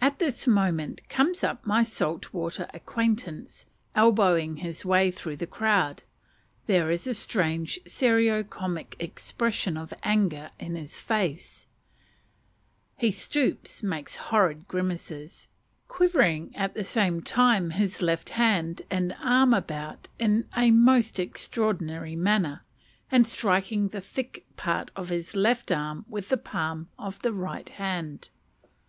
At this moment, up comes my salt water acquaintance, elbowing his way through the crowd; there is a strange serio comic expression of anger in his face; he stoops, makes horrid grimaces, quivering at the same time his left hand and arm about in a most extraordinary manner, and striking the thick part of his left arm with the palm of the right hand.